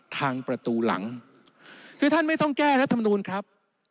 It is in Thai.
ทางประตูหลังคือท่านไม่ต้องแก้รัฐมนูลครับ